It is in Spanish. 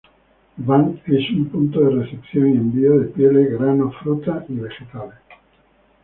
Van es un punto de recepción y envío de pieles, granos, frutas y vegetales.